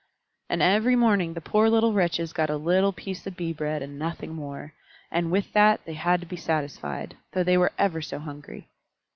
And every morning the poor little wretches got a little piece of Bee bread and nothing more, and with that they had to be satisfied, though they were ever so hungry.